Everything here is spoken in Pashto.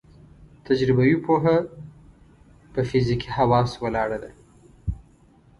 تجربوي پوهه په فزیکي حواسو ولاړه ده.